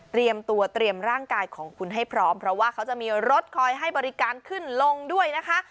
ตัวเตรียมร่างกายของคุณให้พร้อมเพราะว่าเขาจะมีรถคอยให้บริการขึ้นลงด้วยนะคะ